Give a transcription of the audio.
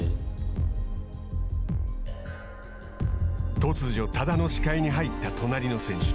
突如、多田の視界に入った隣の選手。